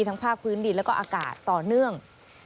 ทั้งภาคพื้นดินและอากาศต่อเนื่อง